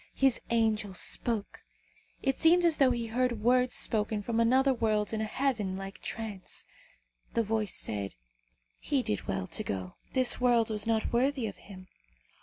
His angel spoke. It seemed as though he heard words spoken from another world in a heaven like trance. The voice said, "He did well to go. This world was not worthy of him.